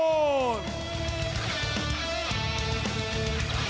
สวัสดีครับทุกคน